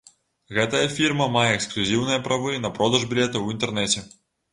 Гэтая фірма мае эксклюзіўныя правы на продаж білетаў у інтэрнэце.